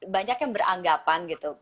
banyak yang beranggapan gitu